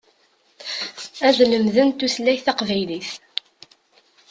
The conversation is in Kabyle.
Ad lemden tutlayt taqbaylit.